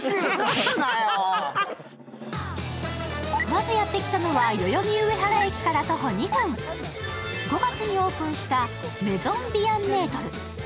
まずやってきたのは代々木上原駅から徒歩２分、５月にオープンしたメゾンビヤンネートル。